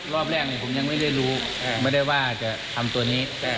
รอบแรกผมยังไม่ได้รู้ไม่ได้ว่าจะทำตัวนี้